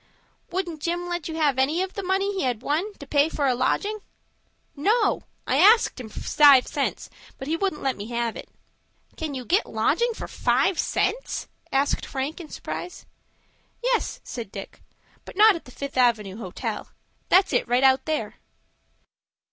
"Wouldn't Jim let you have any of the money he had won to pay for a lodging?" "No; I axed him for five cents, but he wouldn't let me have it." "Can you get lodging for five cents?" asked Frank, in surprise. "Yes," said Dick, "but not at the Fifth Avenue Hotel. That's it right out there."